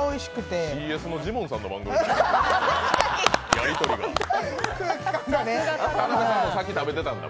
ＣＳのジモンさんの番組みたいだね。